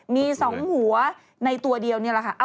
มี๒หัวในตัวเดียวนี่แหละค่ะ